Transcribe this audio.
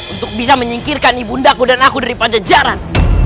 untuk bisa menyingkirkan ibundaku dan aku dari panjajaran